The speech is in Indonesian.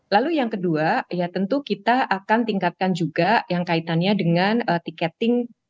lalu yang kedua ya tentu kita akan tingkatkan juga yang kaitannya dengan tiketing